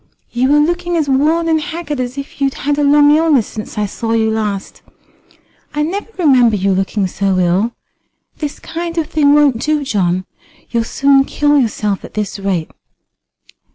You are looking as worn and haggard as if you'd had a long illness since I saw you last. I never remember you looking so ill. This kind of thing won't do, John. You'd soon kill yourself at this rate."